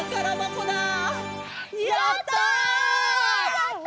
やった！